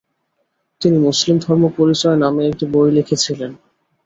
তিনি মুসলিম ধর্ম পরিচয় নামে একটি বই লিখেছিলেন।